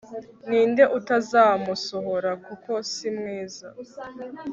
Ninde utazamusohora kuko si mwiza